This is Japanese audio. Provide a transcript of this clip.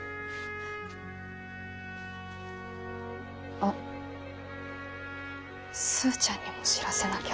あっスーちゃんにも知らせなきゃ。